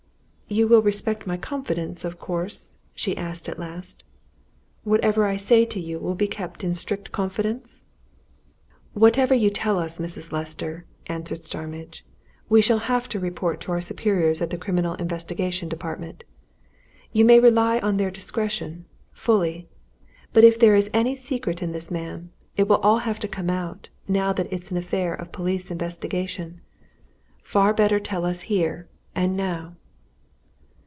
"You will respect my confidence, of course?" she asked at last. "Whatever I say to you will be in strict confidence?" "Whatever you tell us, Mrs. Lester," answered Starmidge, "we shall have to report to our superiors at the Criminal Investigation Department. You may rely on their discretion fully. But if there is any secret in this, ma'am, it will all have to come out, now that it's an affair of police investigation. Far better tell us here and now!"